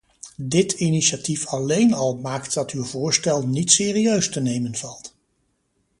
Dit initiatief alleen al maakt dat uw voorstel niet serieus te nemen valt.